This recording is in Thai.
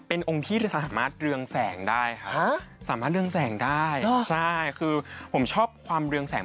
เป็นองค์พี่ที่สามารถเรืองแสงได้ครับสามารถเรืองแสงได้ใช่คือผมชอบความเรืองแสง